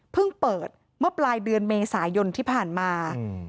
เปิดเมื่อปลายเดือนเมษายนที่ผ่านมา